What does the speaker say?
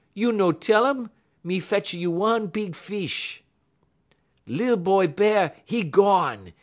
You no tell um, me fetch a you one big fish.' "Lil boy Bear, 'e gone!